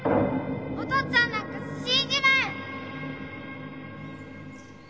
お父っつぁんなんか死んじまえ。